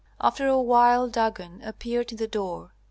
After awhile Dagon appeared in the door.